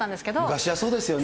昔はそうですよね。